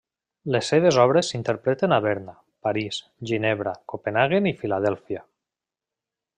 Les seves obres s'interpreten a Berna, París, Ginebra, Copenhaguen i Filadèlfia.